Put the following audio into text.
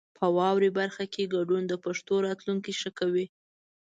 په واورئ برخه کې ګډون د پښتو راتلونکی ښه کوي.